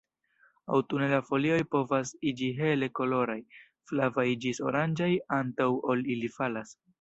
Aŭtune la folioj povas iĝi hele koloraj, flavaj ĝis oranĝaj, antaŭ ol ili falas.